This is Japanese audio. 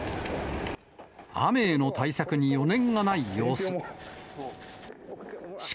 雨への対策に余念がない様子。